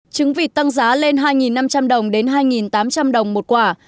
trứng vịt tăng giá lên hai năm trăm linh đồng đến hai tám trăm linh đồng một quả